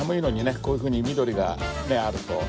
こういうふうに緑があるといいよね。